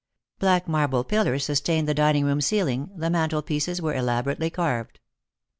Black marble pillars sustained the dining room ceiling, the mantelpieces were elaborately carved.